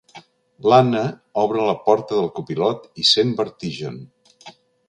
L'Anna obre la porta del copilot i sent vertigen.